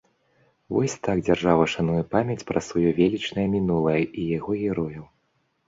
Вось так дзяржава шануе памяць пра сваё велічнае мінулае і яго герояў.